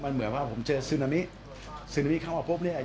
มันเหมือนว่าผมเจอซึนามิซึนามิเข้ามาปุ๊บเนี่ย